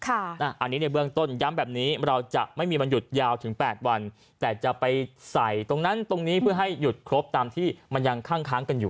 อันนี้ในเบื้องต้นย้ำแบบนี้เราจะไม่มีวันหยุดยาวถึง๘วัน